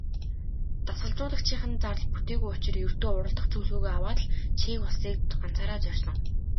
Дасгалжуулагчийнх нь зардал бүтээгүй учир ердөө уралдах зөвлөгөөгөө аваад л Чех улсыг ганцаараа зорьсон.